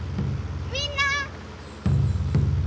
みんな！